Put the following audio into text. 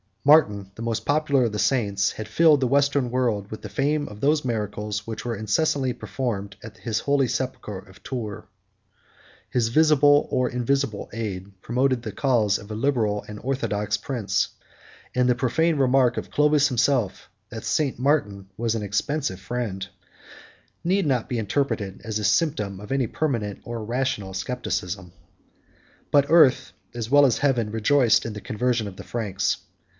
Martin, the most popular of the saints, had filled the Western world with the fame of those miracles which were incessantly performed at his holy sepulchre of Tours. His visible or invisible aid promoted the cause of a liberal and orthodox prince; and the profane remark of Clovis himself, that St.Martin was an expensive friend, 33 need not be interpreted as the symptom of any permanent or rational scepticism. But earth, as well as heaven, rejoiced in the conversion of the Franks.